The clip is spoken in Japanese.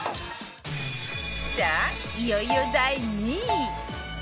さあいよいよ第２位